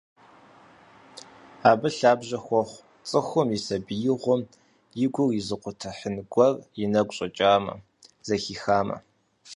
Абы лъабжьэ хуохъу цӀыхум и сабиигъуэм и гур изыкъутыхьын гуэр и нэгу щӀэкӀамэ, зэхихамэ.